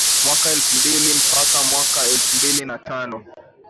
Mwaka elfu mbili mpaka mwaka elfu mbili na tano